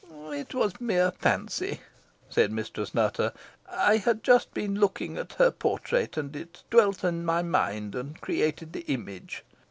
"It was mere fancy," said Mistress Nutter. "I had just been looking at her portrait, and it dwelt on my mind, and created the image."